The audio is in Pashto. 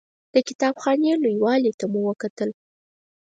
د کتاب خانې لوی والي ته مو وکتل.